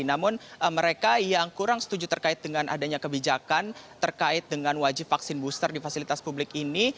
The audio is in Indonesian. namun mereka yang kurang setuju terkait dengan adanya kebijakan terkait dengan wajib vaksin booster di fasilitas publik ini